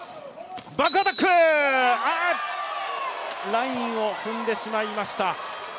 ラインを踏んでしまいました。